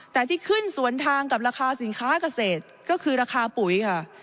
แต่ที่ขึ้นสวนทางกับราคาสินค้าเกษตรก็คือราคาปุ๋ยค่ะ